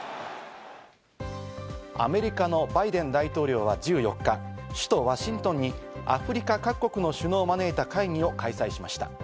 アメリカのバイデン大統領は１４日、首都ワシントンにアフリカ各国の首脳を招いた会議を開催しました。